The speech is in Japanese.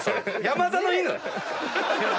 山田の犬？